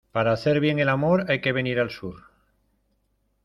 Para hacer bien el amor hay que venir al sur.